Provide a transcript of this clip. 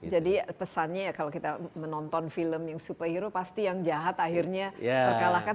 jadi pesannya kalau kita menonton film yang superhero pasti yang jahat akhirnya terkalahkan